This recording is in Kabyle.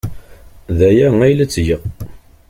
D aya ay la ttgeɣ.